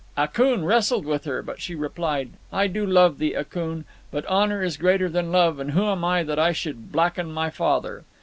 Akoon wrestled with her, but she replied, "I do love thee, Akoon; but honour is greater than love, and who am I that I should blacken my father?"